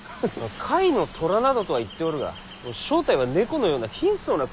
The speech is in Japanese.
甲斐の虎などとはいっておるが正体は猫のような貧相な小男かもしれん。